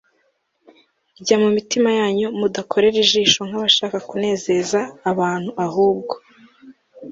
rya mu mitima yanyu mudakorera ijisho nk abashaka kunezeza abantu a ahubwo